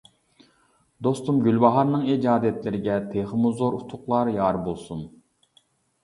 دوستۇم گۈلباھارنىڭ ئىجادىيەتلىرىگە تېخىمۇ زور ئۇتۇقلار يار بولسۇن.